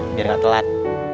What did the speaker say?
biar gak telat